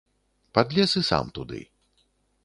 Падлез і сам туды.